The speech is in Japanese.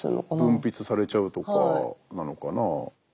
分泌されちゃうとかなのかな？